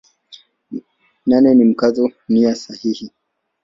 Nane ni Mkazo nia sahihi.